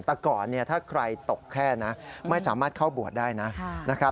แต่ก่อนถ้าใครตกแค่นะไม่สามารถเข้าบวชได้นะ